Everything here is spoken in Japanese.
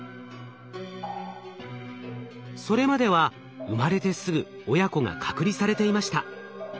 それまでは生まれてすぐ親子が隔離されていました。